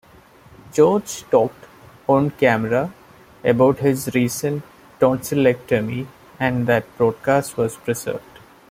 George talked on-camera about his recent tonsillectomy, and that broadcast was preserved.